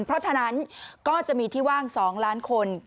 เพราะฉะนั้นก็จะมีที่ว่าง๒ล้านคน